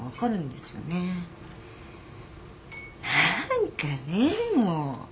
何かねもう。